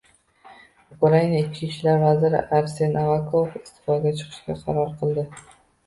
Ukraina ichki ishlar vaziri Arsen Avakov iste'foga chiqishga qaror qildi